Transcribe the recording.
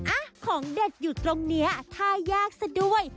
อ่ะของเด็ดอยู่ตรงนี้ท่ายากซะด้วย